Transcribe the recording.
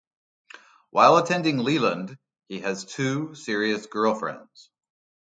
While attending Leland, he has two serious girlfriends.